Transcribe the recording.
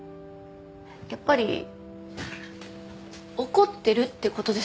やっぱり怒ってるってことですよね？